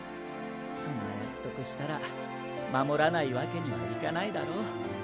そんな約束したら守らないわけにはいかないだろう。